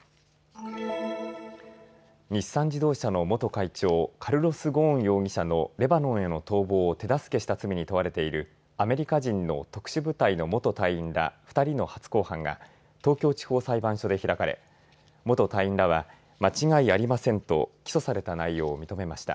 日産自動車の元会長、カルロス・ゴーン容疑者のレバノンへの逃亡を手助けした罪に問われているアメリカ人の特殊部隊の元隊員ら２人の初公判が東京地方裁判所で開かれ元隊員らは間違いありませんと起訴された内容を認めました。